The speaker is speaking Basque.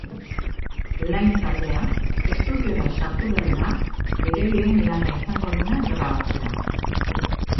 Lain taldea estudiora sartu berri da bere lehen lana izango dena grabatzera.